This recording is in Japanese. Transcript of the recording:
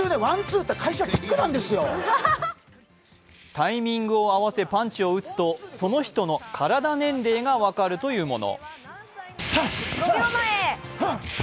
タイミングを合わせパンチを打つとその人の体年齢が分かるというもの。